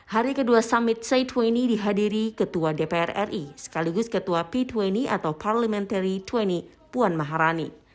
hari kedua summit c dua puluh dihadiri ketua dpr ri sekaligus ketua p dua puluh atau parliamentary dua puluh puan maharani